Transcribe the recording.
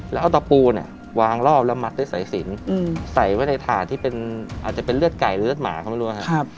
แล้วเอาตะปูเนี่ยวางรอบแล้วมัดด้วยสายสินใส่ไว้ในถาดที่เป็นอาจจะเป็นเลือดไก่หรือเลือดหมาก็ไม่รู้ครับ